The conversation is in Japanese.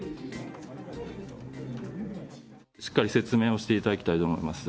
しっかり説明をしていただきたいと思います。